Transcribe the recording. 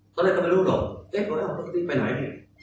ตอนนั้นเข้าไปรู้ก่อนเอ๊ะเอ้ารถนี้ไปไหน